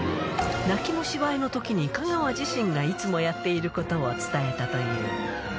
泣きの芝居のときに香川自身がいつもやっていることを伝えたという。